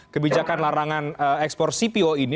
kebijakan larangan ekspor cpo ini